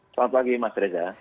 selamat pagi mas reza